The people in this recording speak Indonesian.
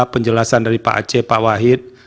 penjelasan dari pak aceh pak wahid